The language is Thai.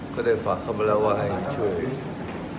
ก็ได้ฝากเขามาแล้วว่าให้ช่วยเรียงรันเรื่องเบิ้ลแก๊ปโปรเจ็ป